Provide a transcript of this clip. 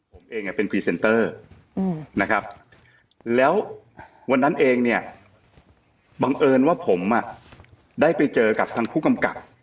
ผมเองเป็นพรีเซนเตอร์นะครับแล้ววันนั้นเองเนี่ยบังเอิญว่าผมได้ไปเจอกับทางผู้กำกับ